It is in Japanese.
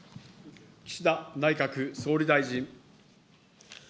岸田内閣総理大臣。